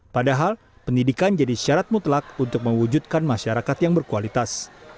padahal pendidikan jadi syarat mutlak untuk mewujudkan masyarakat yang berkualitas